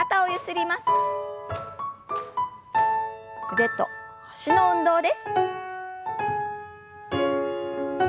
腕と脚の運動です。